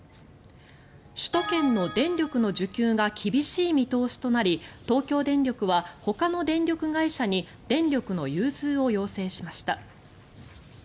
首都圏の電力の需給が厳しい見通しとなり東京電力はほかの電力会社に電力の融通を要請しました。